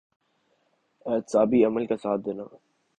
احتسابی عمل کا ساتھ دینا۔